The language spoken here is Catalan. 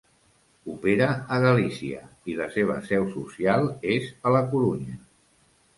Opera a Galícia i la seva seu social és a la Corunya.